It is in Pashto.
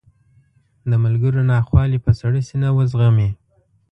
د ملګرو ناخوالې په سړه سینه وزغمي.